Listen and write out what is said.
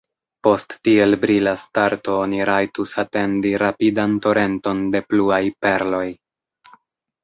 Post tiel brila starto oni rajtus atendi rapidan torenton de pluaj perloj.